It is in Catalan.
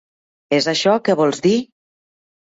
És això, que vols dir?